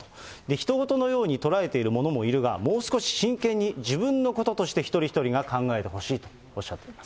ひと事のように捉えている者もいるが、もう少し真剣に、自分のこととして一人一人が考えてほしいとおっしゃっています。